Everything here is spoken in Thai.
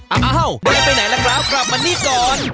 อ้าวไม่ได้ไปไหนล่ะครับกลับมานี่ก่อน